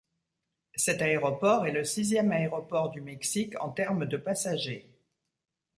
Cet aéroport est le sixième aéroport du Mexique en termes de passagers.